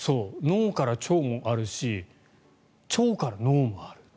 脳から腸もあるし腸から脳もある。